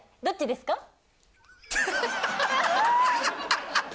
どっちですか？